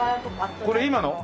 これ今の？